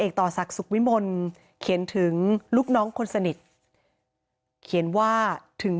ต่อศักดิ์สุขวิมลเขียนถึงลูกน้องคนสนิทเขียนว่าถึง